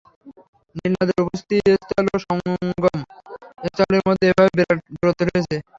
নীল নদের উৎপত্তিস্থল ও সঙ্গম স্থলের মধ্যে এভাবে বিরাট দূরত্ব রয়েছে।